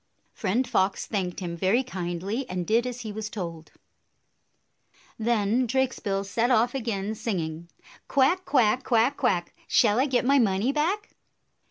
Friend Fox thanked him very kindly, and did as he was told. Then Drakesbill set off again, singing, "Quack, quack! Quack, quack! Shall I get my money back?"